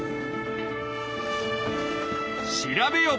調べよ！